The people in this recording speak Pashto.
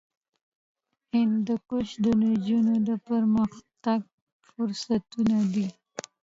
هندوکش د نجونو د پرمختګ فرصتونه دي.